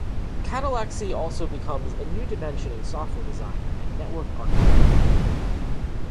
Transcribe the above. Catallaxy also becomes a new dimension in software design and network architecture.